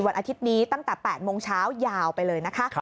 อาทิตย์นี้ตั้งแต่๘โมงเช้ายาวไปเลยนะคะ